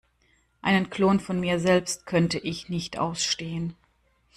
Einen Klon von mir selbst könnte ich nicht ausstehen.